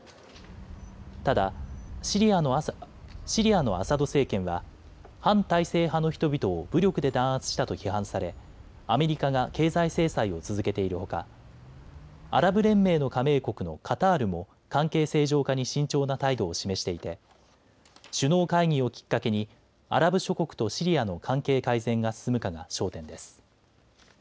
ただシリアのアサド政権は反体制派の人々を武力で弾圧したと批判されアメリカが経済制裁を続けているほかアラブ連盟の加盟国のカタールも関係正常化に慎重な態度を示していて首脳会議をきっかけにアラブ諸国とシリアの関係改善が進むかが焦点です。